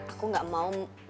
aku gak mau